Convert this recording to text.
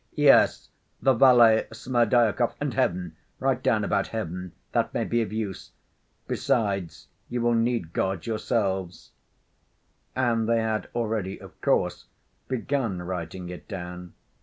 "Yes. The valet Smerdyakov, and Heaven. Write down about Heaven. That may be of use. Besides, you will need God yourselves." And they had already, of course, begun writing it down.